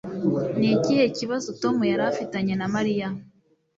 Ni ikihe kibazo Tom yari afitanye na Mariya?